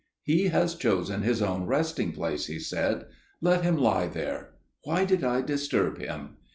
"He has chosen his own resting place," he said. "Let him lie there. Why did I disturb him?"